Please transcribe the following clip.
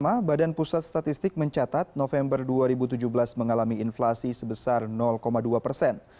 pertama badan pusat statistik mencatat november dua ribu tujuh belas mengalami inflasi sebesar dua persen